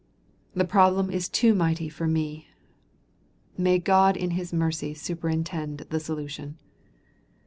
The problem is too mighty for me. May God in his mercy superintend the solution.